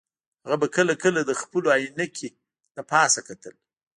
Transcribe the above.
هغه به کله کله د خپلو عینکې د پاسه کتل